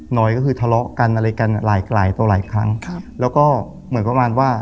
หน่อยก็คือทะเลาะกันอะไรกันหลายหลายต่อหลายครั้งครับแล้วก็เหมือนประมาณว่า